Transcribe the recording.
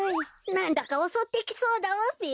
なんだかおそってきそうだわべ。